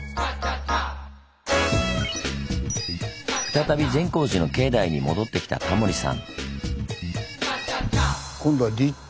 再び善光寺の境内に戻ってきたタモリさん。